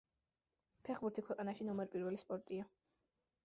ფეხბურთი ქვეყანაში ნომერ პირველი სპორტია.